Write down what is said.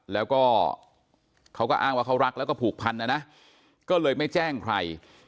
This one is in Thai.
แล้วก็เขาก็อ้างว่าเขารักแล้วก็ผูกพันนะนะก็เลยไม่แจ้งใคร